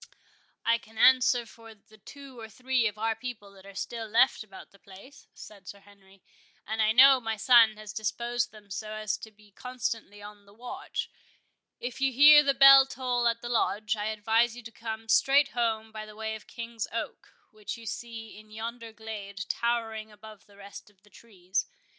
"I can answer for the two or three of our people that are still left about the place," said Sir Henry; "and I know my son has disposed them so as to be constantly on the watch. If you hear the bell toll at the Lodge, I advise you to come straight home by the way of the King's Oak, which you see in yonder glade towering above the rest of the trees.